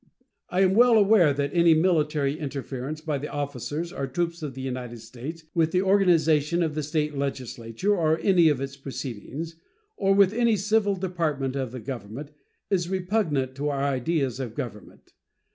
I am well aware that any military interference by the officers or troops of the United States with the organization of the State legislature or any of its proceedings, or with any civil department of the Government, is repugnant to our ideas of government.